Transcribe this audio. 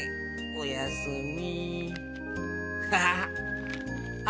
おやすみ。